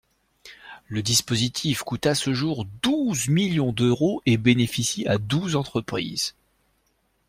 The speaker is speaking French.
Le dispositif coûte à ce jour douze millions d’euros et bénéficie à douze entreprises.